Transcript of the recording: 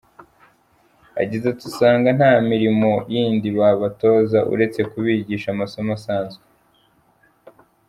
Yagize ati "Usanga nta mirimo yindi babatoza uretse kubigisha amasomo asanzwe.